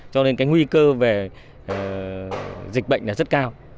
cho nên nguy cơ về dịch bệnh rất cao